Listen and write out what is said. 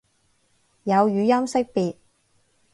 有語音識別